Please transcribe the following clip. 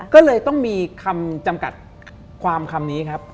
ก็เลยต้องมีคำจำกัดความคำนี้ครับ